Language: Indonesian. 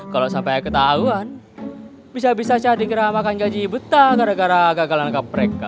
kalau sampai ketahuan bisa bisa saya dikeramakan gaji buta gara gara gagalan lengkap mereka